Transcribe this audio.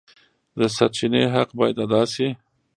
د سرچینې حق باید ادا شي.